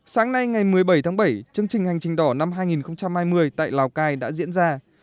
sáng nay ngày một mươi bảy tháng bảy chương trình hành trình đỏ năm hai nghìn hai mươi tại lào cai đã diễn ra